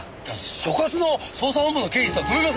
所轄の捜査本部の刑事とは組めません。